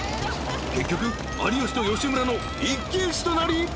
［結局有吉と吉村の一騎打ちとなり］